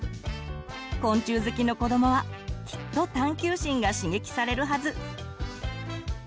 昆虫好きの子どもはきっと探求心が刺激されるはず。